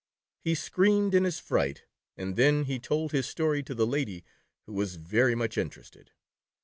He screamed in his fright, and then he told his story to the lady, who was very much interested.